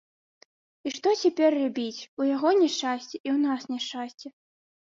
І што цяпер рабіць, у яго няшчасце, і ў нас няшчасце.